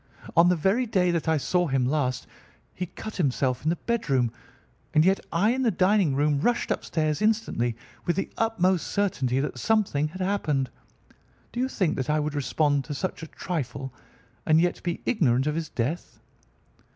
On the very day that I saw him last he cut himself in the bedroom, and yet I in the dining room rushed upstairs instantly with the utmost certainty that something had happened. Do you think that I would respond to such a trifle and yet be ignorant of his death?"